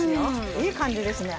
いい感じですね。